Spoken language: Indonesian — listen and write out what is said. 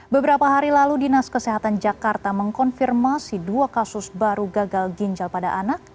beberapa hari lalu dinas kesehatan jakarta mengkonfirmasi dua kasus baru gagal ginjal pada anak